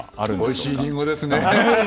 おいしいリンゴですね。